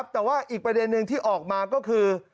แต่ว่าอีกประเด็นหนึ่งที่ออกมาก็คือ